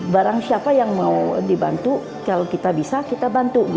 barang siapa yang mau dibantu kalau kita bisa kita bantu